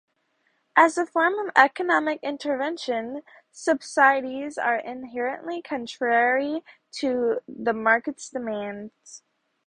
As a form of economic intervention, subsidies are inherently contrary to the market's demands.